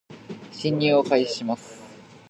進入を開始します